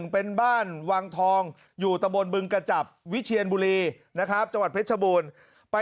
เป็นบ้านวังทองอยู่ตะบนบึงกระจับวิเชียนบุรีนะครับจังหวัดเพชรบูรณ์